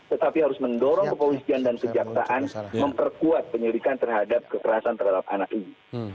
tetapi harus mendorong kepolisian dan kejaksaan memperkuat penyelidikan terhadap kekerasan terhadap anak ini